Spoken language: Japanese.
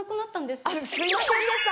すいませんでした。